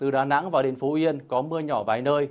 từ đà nẵng vào đến phú yên có mưa nhỏ vài nơi